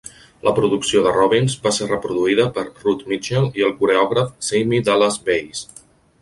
La producció de Robbins va ser reproduïda per Ruth Mitchell i el coreògraf Sammy Dallas Bayes.